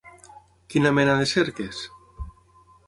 Quina mena de cerques?